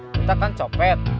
kita kan copet